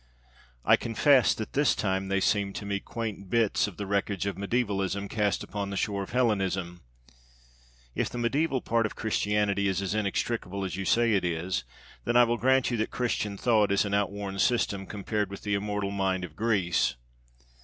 I confess that this time they seemed to me quaint bits of the wreckage of mediævalism cast upon the shore of Hellenism. If the mediæval part of Christianity is as inextricable as you say it is, then I will grant you that 'Christian thought' is an outworn system compared with the immortal mind of Greece.